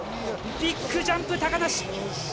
ビッグジャンプ高梨。